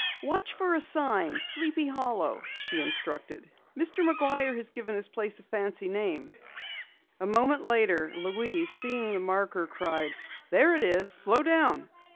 "Watch for a sign, 'Sleepy Hollow,'" she instructed. "Mr. McGuire has given his place a fancy name." A moment later Louise, seeing the marker, cried: "There it is! Slow down!"